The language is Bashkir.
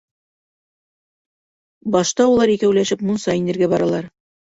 Башта улар икәүләшеп мунса инергә баралар.